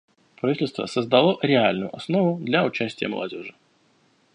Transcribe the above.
Правительство создало реальную основу для участия молодежи.